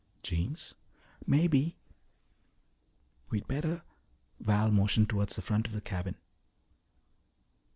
"Jeems?" "Maybe." "We'd better " Val motioned toward the front of the cabin.